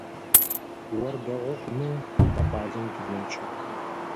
Ор дэгъу хъумэ, тэ къалэм тыдэкӏы.